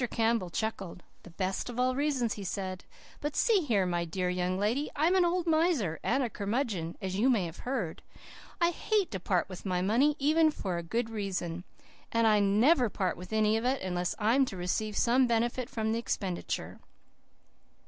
Campbell chuckled. "The best of all reasons," he said. "But see here, my dear young lady, I'm an old miser and curmudgeon, as you may have heard. I HATE to part with my money, even for a good reason. And I NEVER part with any of it, unless I am to receive some benefit from the expenditure.